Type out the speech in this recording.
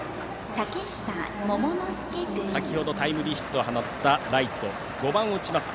先ほどタイムリーヒットを放った５番を打ちます